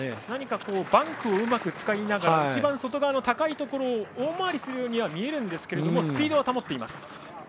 何か、バンクをうまく使いながら一番外側の高いところを大回りするようには見えるんですけれどもスピードは保っています。